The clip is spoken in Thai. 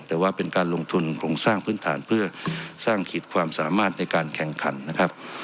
แต่ว่าเป็นการลงทุนโครงสร้างพื้นฐานเพื่อสร้างขีดความสามารถในการแข่งขันนะครับ